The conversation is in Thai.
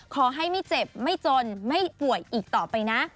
ไม่เจ็บไม่จนไม่ป่วยอีกต่อไปนะ